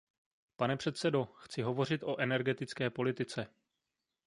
Pane předsedo, chci hovořit o energetické politice.